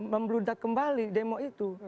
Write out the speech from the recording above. memblunda kembali demo itu